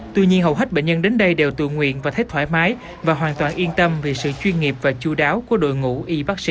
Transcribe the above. tuy nhiên hầu hết bệnh nhân đến đây đều tự nguyện và thấy thoải mái và hoàn toàn yên tâm vì sự chuyên nghiệp và chú đáo của đội ngũ y bác sĩ